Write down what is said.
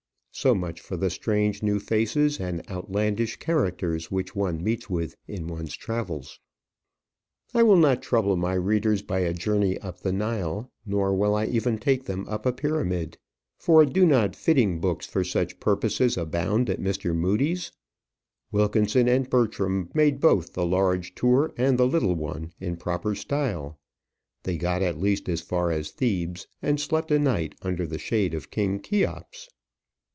So much for the strange new faces and outlandish characters which one meets with in one's travels. I will not trouble my readers by a journey up the Nile; nor will I even take them up a pyramid. For do not fitting books for such purposes abound at Mr. Mudie's? Wilkinson and Bertram made both the large tour and the little one in proper style. They got as least as far as Thebes, and slept a night under the shade of King Cheops.